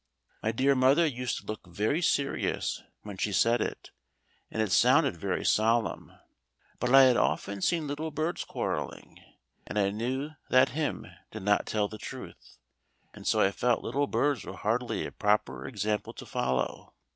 My dear mother used to look very serious when she said it, and it sounded very solemn. But I had often seen little birds quarrelling, and I knew that hymn did not tell the truth, and so I felt little birds were hardly a proper example to follow.